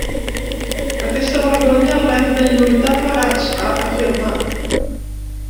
Aquesta vergonya l’hem de lluitar plegats, ha afirmat.